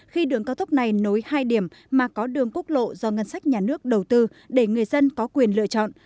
khi đường cao tốc này nối hai điểm mà có đường quốc lộ do ngân sách nhà nước đầu tư để người dân có quyền lựa chọn